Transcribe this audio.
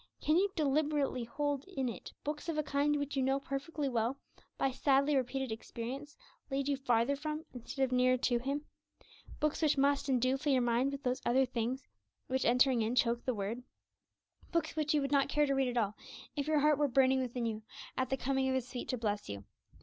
Can you deliberately hold in it books of a kind which you know perfectly well, by sadly repeated experience, lead you farther from instead of nearer to Him? books which must and do fill your mind with those 'other things' which, entering in, choke the word? books which you would not care to read at all, if your heart were burning within you at the coming of His feet to bless you?